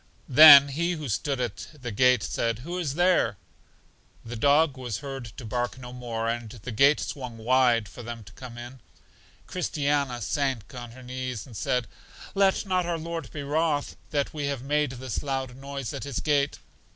Then He who stood at the gate said, Who is there? The dog was heard to bark no more, and the gate swung wide for them to come in. Christiana sank on her knees, and said, Let not our Lord be wroth that we have made this loud noise at His gate.